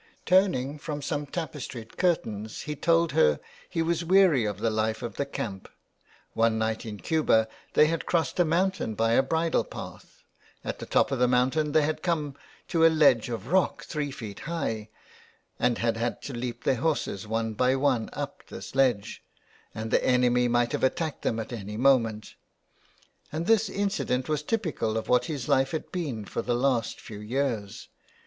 Turning from some tapestried curtains, he told her he was weary of the life of the camp. One night in Cuba they had crossed a mountain by a bridle path. At the top of the mountain they had come to a ledge of rock three feet high and had to leap their horses one by one up this ledge, and the enemy might have attacked them at any moment. And this incident was typical of what his life had been for the last few years.